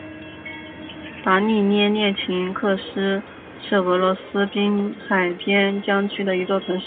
达利涅列琴斯克是俄罗斯滨海边疆区的一座城市。